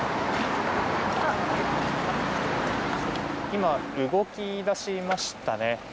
今、動き出しましたね。